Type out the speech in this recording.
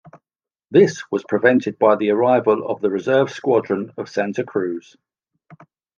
This was prevented by the arrival of the reserve squadron of Santa Cruz.